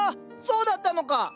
そうだったのか！